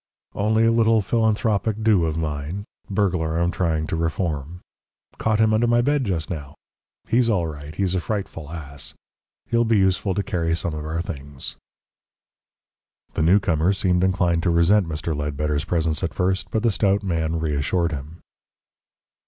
"Only a little philanthropic do of mine burglar I'm trying to reform. Caught him under my bed just now. He's all right. He's a frightful ass. He'll be useful to carry some of our things." The newcomer seemed inclined to resent Mr. Ledbetter's presence at first, but the stout man reassured him.